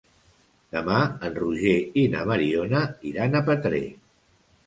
Demà en Roger i na Mariona iran a Petrer.